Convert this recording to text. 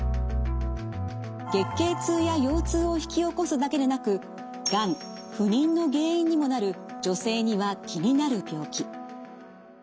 月経痛や腰痛を引き起こすだけでなくがん不妊の原因にもなる女性には気になる病気。